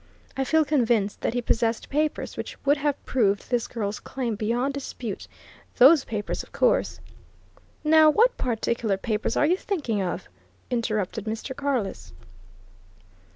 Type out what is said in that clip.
I feel convinced that he possessed papers which would have proved this girl's claim beyond dispute. Those papers, of course " "Now, what particular papers are you thinking of?" interrupted Mr. Carless.